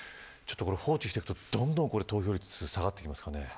放置していくと、どんどん投票率下がっていきますかね。